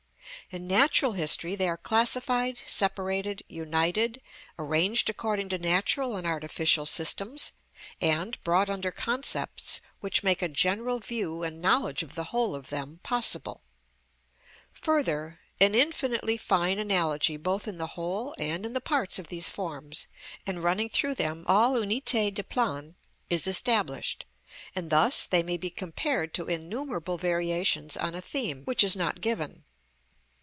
In natural history they are classified, separated, united, arranged according to natural and artificial systems, and brought under concepts which make a general view and knowledge of the whole of them possible. Further, an infinitely fine analogy both in the whole and in the parts of these forms, and running through them all (unité de plan), is established, and thus they may be compared to innumerable variations on a theme which is not given.